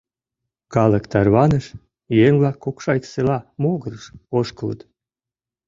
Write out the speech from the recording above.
Калык тарваныш, еҥ-влак Кокшайск села могырыш ошкылыт.